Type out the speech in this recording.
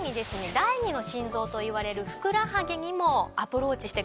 第２の心臓といわれるふくらはぎにもアプローチしてくれるんです。